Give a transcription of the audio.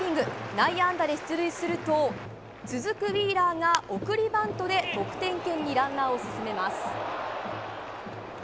内野安打で出塁すると続くウィーラーが送りバントで得点圏にランナーを進めます。